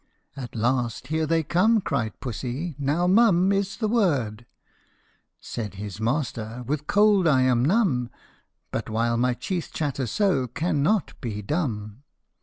At last, " Here they come !" cried Pussy :" now, mum Is the word !" Said his master, " With cold I am numb, But, while my teeth chatter so, cannot be dumb."